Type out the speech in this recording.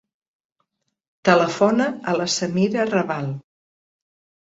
Telefona a la Samira Rabal.